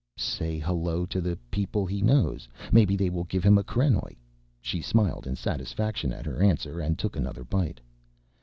"Say hello to the people he knows? Maybe they will give him a krenoj." She smiled in satisfaction at her answer and took another bite.